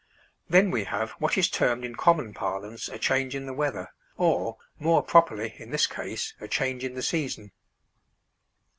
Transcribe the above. Then we have what is termed in common parlance a change in the weather, or, more properly in this case, a change in the season.